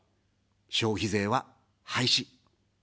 消費税は廃止。